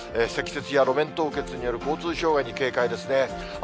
積雪や路面凍結による交通障害に警戒ですね。